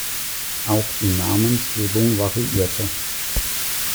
Auch die Namensgebung variierte.